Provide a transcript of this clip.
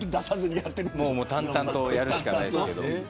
淡々とやるしかないです。